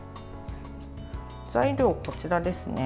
材料こちらですね。